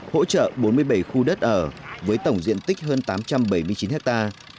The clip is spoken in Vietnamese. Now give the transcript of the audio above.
hỗ trợ bốn mươi bảy khu đất ở với tổng diện tích hơn tám trăm bảy mươi chín hectare